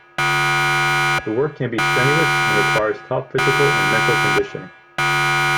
The work can be strenuous and requires top physical and mental conditioning.